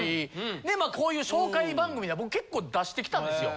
でまあこういう紹介番組では僕結構出してきたんですよ。